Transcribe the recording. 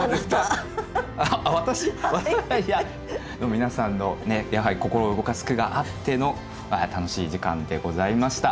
皆さんのねっやはり心を動かす句があっての楽しい時間でございました。